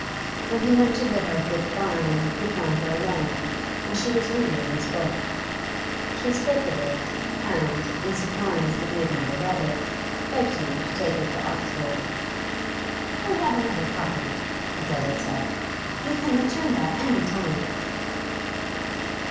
When he went to bid her good bye he found her alone, and she was reading this book. She spoke of it, and, in surprise that he had never read it, begged him to take it to Oxford. 'I have another copy,' Adela said. 'You can return that any time.